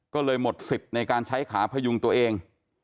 ก็เลยหมด๑๐ในการใช้ขาพะยุงตัวเอง